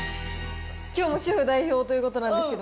きょうも主婦代表ということなんですけど。